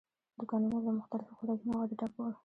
دوکانونه له مختلفو خوراکي موادو ډک ول.